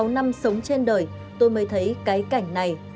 ba mươi sáu năm sống trên đời tôi mới thấy cái cảnh này